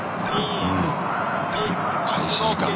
開始時間ね。